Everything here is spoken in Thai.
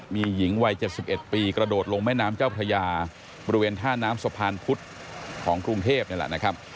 มีหญิงวัย๗๑ปีกระโดดลงแม่น้ำเจ้าพระยาบริเวณท่าน้ำสะพานพุธของกรุงเทพนี่แหละนะครับ